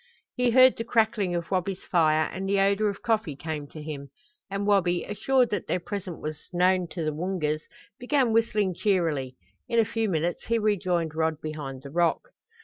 He heard the crackling of Wabi's fire and the odor of coffee came to him; and Wabi, assured that their presence was known to the Woongas, began whistling cheerily. In a few minutes he rejoined Rod behind the rock.